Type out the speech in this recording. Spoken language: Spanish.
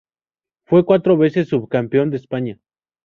Fue cuatro veces subcampeón de España.